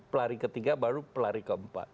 pelari ketiga baru pelari keempat